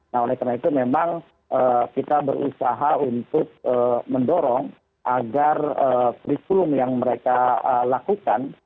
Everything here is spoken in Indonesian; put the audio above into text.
nah oleh karena itu memang kita berusaha untuk mendorong agar kurikulum yang mereka lakukan